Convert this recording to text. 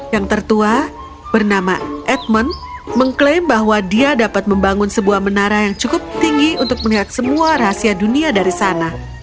yang tertua bernama etman mengklaim bahwa dia dapat membangun sebuah menara yang cukup tinggi untuk melihat semua rahasia dunia dari sana